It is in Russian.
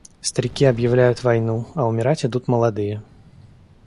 Старики объявляют войну, а умирать идут молодые.